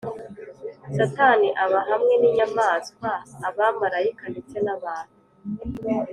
Satani aba hamwe n inyamaswa abamarayika ndetse n’ abantu